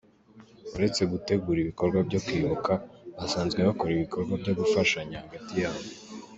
Uretse gutegura ibikorwa byo kwibuka, basanzwe bakora ibikorwa byo gufashanya hagati yabo.